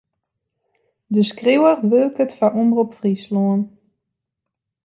De skriuwer wurket foar Omrop Fryslân.